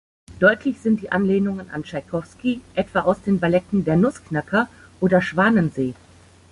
Deutlich sind die Anlehnungen an Tschaikowski, etwa aus den Balletten "Der Nussknacker" oder "Schwanensee".